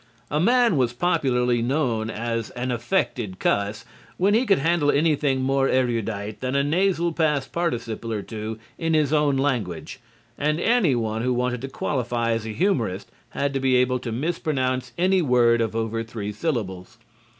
A man was popularly known as an affected cuss when he could handle anything more erudite than a nasal past participle or two in his own language, and any one who wanted to qualify as a humorist had to be able to mispronounce any word of over three syllables.